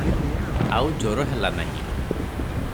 ଆଉ ଜ୍ୱର ହେଲା ନାହିଁ ।